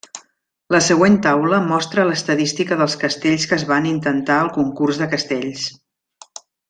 La següent taula mostra l'estadística dels castells que es van intentar al concurs de castells.